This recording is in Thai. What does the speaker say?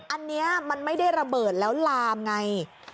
อันนี้มันไม่ได้ระเบิดแล้วลามไง